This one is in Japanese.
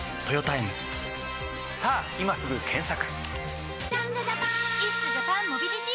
さぁ今すぐ検索！